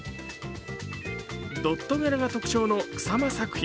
ドット柄が特徴の草間作品。